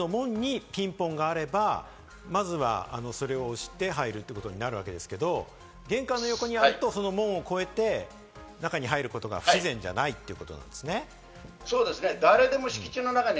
家の前の門にピンポンがあれば、それを押して入ることになるわけですけれども、玄関の横にあると、その門を越えて中に入ることが不自然じゃないということですね。